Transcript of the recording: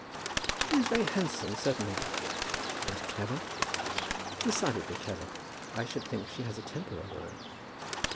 "She is very handsome, certainly." "And clever?" "Decidedly clever. I should think she has a temper of her own."